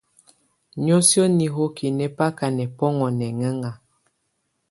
Niǝ́suǝ́ nihoki nɛ́ baka nɛbɔ́ŋɔ nɛŋɛŋá.